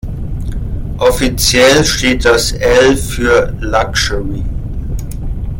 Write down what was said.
Offiziell steht das „L“ für „Luxury“.